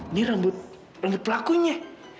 ini rambut pelakunya